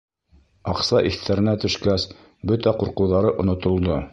Аҡса иҫтәренә төшкәс, бөтә ҡурҡыуҙары онотолдо.